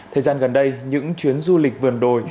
thời gian gần đây những chuyến du lịch vườn đồi